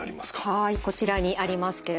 はいこちらにありますけれども。